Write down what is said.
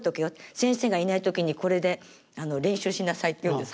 先生がいない時にこれで練習しなさいって言うんです。